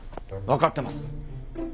わかってます。